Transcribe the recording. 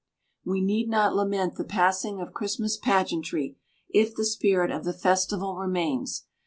We need not lament the passing of Christmas pageantry, if the spirit of the festival remains.